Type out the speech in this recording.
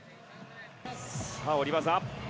さあ、おり技。